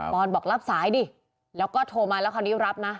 อนบอกรับสายดิแล้วก็โทรมาแล้วคราวนี้รับนะ